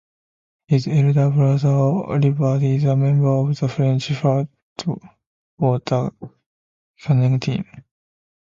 His elder brother Olivier is a member of the French flatwater canoeing team.